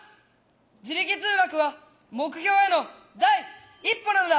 自力通学は目標への第一歩なのだ。